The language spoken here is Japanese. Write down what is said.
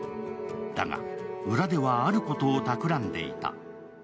だが、裏ではあることをたくらんでいた。